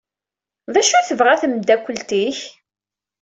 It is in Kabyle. D acu tebɣa temeddakelt-ik?